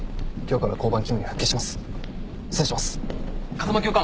風間教官。